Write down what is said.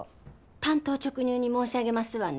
単刀直入に申し上げますわね。